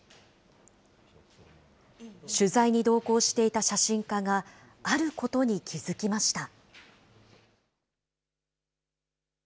取材に同行していた写真家が、あることに気付きました。